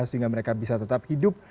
sehingga mereka bisa tetap hidup